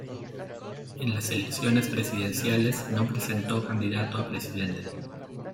En las elecciones presidenciales no presentó candidato a presidente.